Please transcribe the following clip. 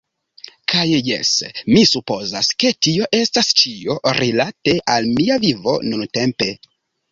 Kaj jes, mi supozas, ke tio estas ĉio rilate al mia vivo nuntempe.